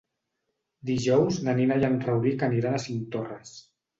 Dijous na Nina i en Rauric aniran a Cinctorres.